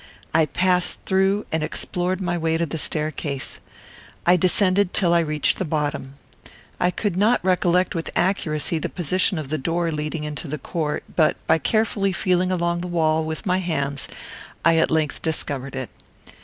I passed through and explored my way to the staircase. I descended till I reached the bottom. I could not recollect with accuracy the position of the door leading into the court, but, by carefully feeling along the wall with my hands, I at length discovered it.